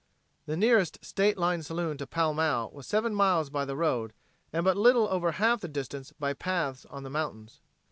The nearest state line saloon to Pall Mall was seven miles by the road and but little over half the distance by paths on the mountains.